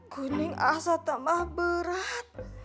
kening asa tambah berat